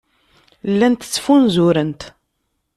Llant ttfunzurent.